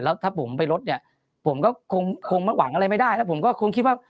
แล้วถ้าผมไปรถเนี่ยผมก็คงหวังอะไรไม่ได้แล้วผมก็คงคิดว่า